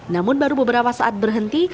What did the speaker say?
namun baru beberapa saat berhenti